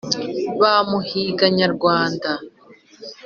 Bamuhiga Nyarwanda!